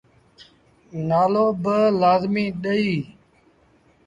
تآلو با لآزميٚ ڏئيٚ۔